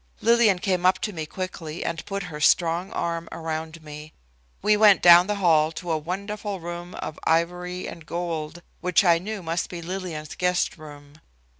Lillian came up to me quickly and put her strong arm around me. We went down the hall to a wonderful room of ivory and gold, which I knew must be Lillian's guest room.